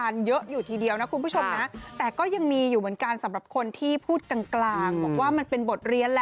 อันนี้ที่ยังไม่ได้เป็นคำหยับคาย